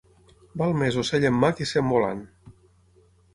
Val més ocell en mà que cent volant.